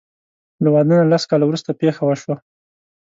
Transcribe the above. له واده نه لس کاله وروسته پېښه وشوه.